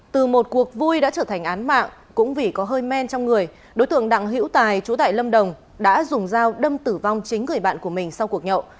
từ một cuộc vui đã trở thành án mạng cũng vì có hơi men trong người đối tượng đặng hữu tài chú tại lâm đồng đã dùng dao đâm tử vong chính người bạn của mình sau cuộc nhậu